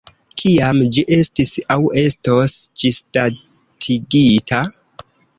Kiam ĝi estis aŭ estos ĝisdatigita?